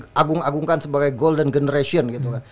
diagung agungkan sebagai golden generation gitu kan